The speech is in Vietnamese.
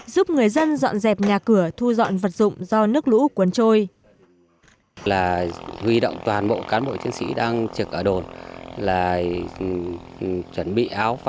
giúp người dân dọn dẹp nhà cửa thu dọn vật dụng do nước lũ cuốn trôi